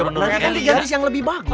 nanti kan diganti yang lebih bagus